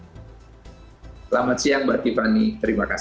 selamat siang mbak tiffany terima kasih